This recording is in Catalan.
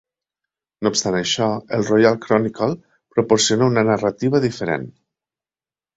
No obstant això, el "Royal Chronicle" proporciona una narrativa diferent.